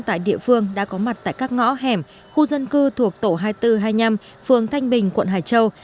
tại địa phương đã có mặt tại các ngõ hẻm khu dân cư thuộc tổ hai nghìn bốn trăm hai mươi năm phường thanh bình quận hải châu